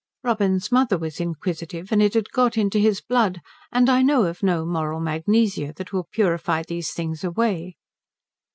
Robin's mother was inquisitive and it had got into his blood, and I know of no moral magnesia that will purify these things away.